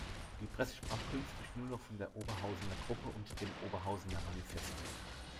Die Presse sprach künftig nur noch von der „Oberhausener Gruppe“ und dem „Oberhausener Manifest“.